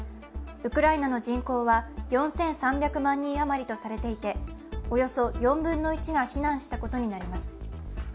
ウクライナの人口は４３００万人余りとされていておよそ４分の１が避難したことになります。